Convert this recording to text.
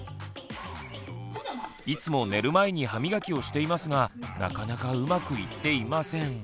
いつも寝る前に歯みがきをしていますがなかなかうまくいっていません。